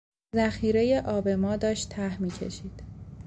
ذخیره آب ما داشت ته میکشید.